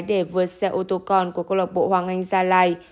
để vượt xe ô tô con của cơ lộc bộ hoàng anh gia lai